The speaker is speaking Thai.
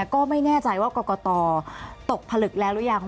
ก็ไม่แน่ใจว่ากรกตตกผลึกแล้วหรือยัง